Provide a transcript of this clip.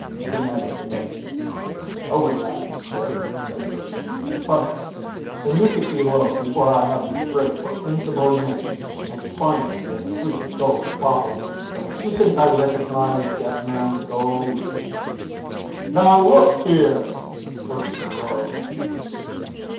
demanded the mate. "Nobody asked me, sir," said Urson, "but " "Then you get below before I have you brigged for insubordination and fine you your three gold baubles. Don't you think I recognize dead man's gold?" "Now look here," Urson roared.